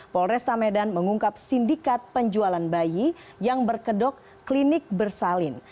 polresta medan mengungkap sindikat penjualan bayi yang berkedok klinik bersalin